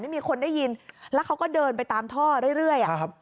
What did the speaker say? ไม่มีคนได้ยินแล้วเขาก็เดินไปตามท่อเรื่อยเรื่อยอ่ะครับ